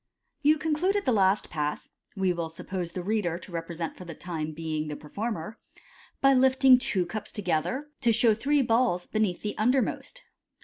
— You concluded the last Pass (we will suppose the reader to represent for the time being the performer) by lifting two cups together to show three balls be neath the undermost.